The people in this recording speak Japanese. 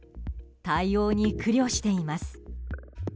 対応に苦慮しています。